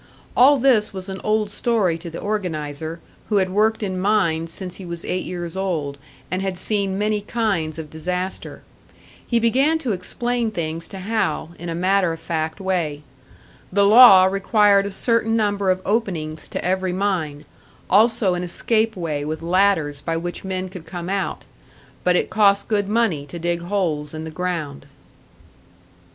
All this was an old story to the organiser, who had worked in mines since he was eight years old, and had seen many kinds of disaster. He began to explain things to Hal, in a matter of fact way. The law required a certain number of openings to every mine, also an escape way with ladders by which men could come out; but it cost good money to dig holes in the ground.